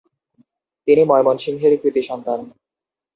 তিনি ময়মনসিংহের কৃতি সন্তান।